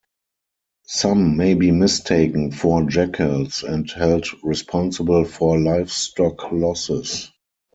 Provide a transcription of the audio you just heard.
Some may be mistaken for jackals and held responsible for livestock losses.